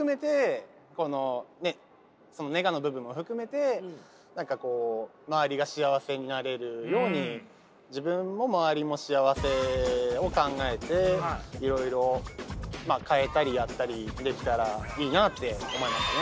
このねそのネガの部分も含めて何かこう周りが幸せになれるように自分も周りも幸せを考えていろいろまあ変えたりやったりできたらいいなって思いましたね。